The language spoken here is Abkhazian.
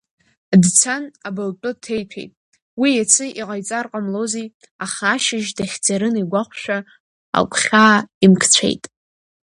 Дцан, абылтәы ҭеиҭәеит, уи иацы иҟаиҵар ҟамлози, аха ашьыжь дахьӡарын игәахәшәа, агәхьаа имкцәеит.